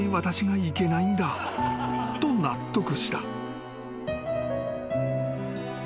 ［と納得した］